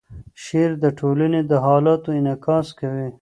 شعر د ټولنې د حالاتو انعکاس کوي.